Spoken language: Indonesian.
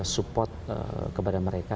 support kepada mereka